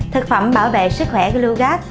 thực phẩm bảo vệ sức khỏe gluco